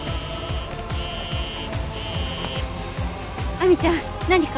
亜美ちゃん何か？